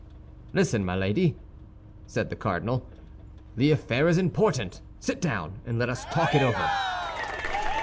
"Listen, Milady," said the cardinal, "the affair is important. Sit down, and let us talk it over."